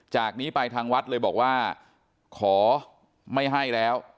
จากนี้ไปทางวัดเลยบอกว่าขอไม่ให้แล้ว